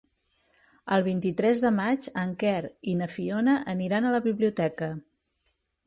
El vint-i-tres de maig en Quer i na Fiona aniran a la biblioteca.